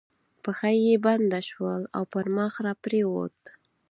پښه یې بنده شول او پر مخ را پرېوت.